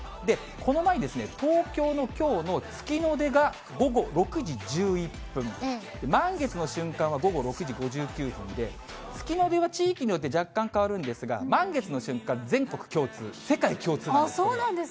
この前ですね、東京のきょうの月の出が午後６時１１分、満月の瞬間は午後６時５９分で、月の出は地域によって若干変わるんですが、満月の瞬間、全国共通、世界共通なんです、これは。